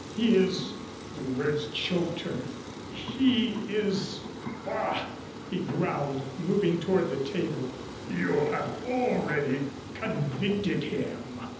] "He is " The words choked her. "He is " "Bah!" he growled, moving toward the table. "You have already convicted him!"